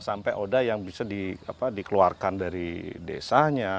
sampai oda yang bisa dikeluarkan dari desanya